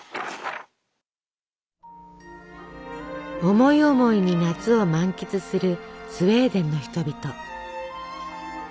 思い思いに夏を満喫するスウェーデンの人々。